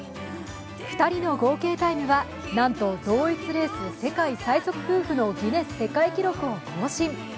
２人の合計タイムは、なんと同一レース世界最速夫婦のギネス世界記録を更新。